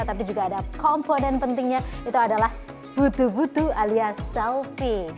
tapi juga ada komponen pentingnya itu adalah butuh butuh alias selfie